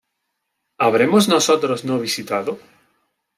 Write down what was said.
¿Habremos nosotros no visitado?